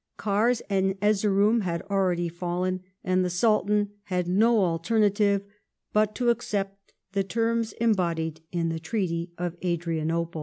Kars and Erzeroum had already fallen, and the Sultan had no alternative but to accept the terms embodied in the TreatyjjL^drianople.